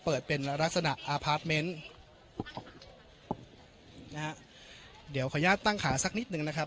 เปิดเป็นละลักษณะนะฮะเดี๋ยวขออนุญาตตั้งขาสักนิดหนึ่งนะครับ